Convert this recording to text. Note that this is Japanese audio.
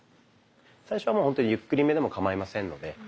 最初はもう本当にゆっくりめでもかまいませんので。